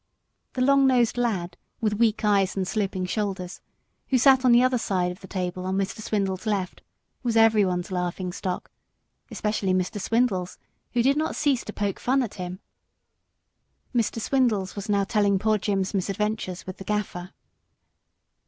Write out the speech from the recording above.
The long nosed lad, with weak eyes and sloping shoulders, who sat on the other side of the table on Mr. Swindles' left, was everybody's laughing stock, especially Mr. Swindles', who did not cease to poke fun at him. Mr. Swindles was now telling poor Jim's misadventures with the Gaffer.